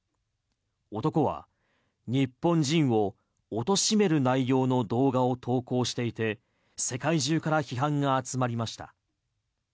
男は日本人を貶める内容の動画を投稿していて世界中から批判が集まりました。